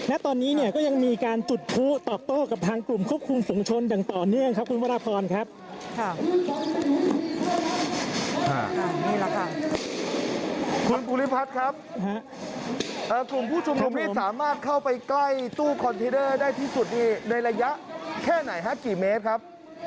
อ่านี่แหละค่ะคุณกุฎิพัฒน์ครับครับเอ่อกลุ่มผู้ชมนุมที่สามารถเข้าไปใกล้ตู้คอนเทนเนอร์ได้ที่สุดดีในระยะแค่ไหนฮะกี่เมตรครับ